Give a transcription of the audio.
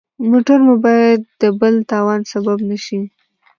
موټر مو باید د بل تاوان سبب نه شي.